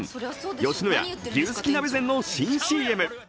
吉野家、牛すき鍋膳の新ＣＭ。